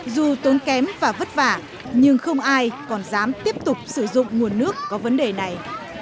dù tốn kém và vất vả nhưng không ai còn dám tiếp tục sử dụng nguồn nước có vấn đề này